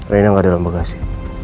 rena gak ada dalam bagasi